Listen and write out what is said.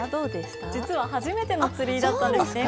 実は初めての釣りだったんですね。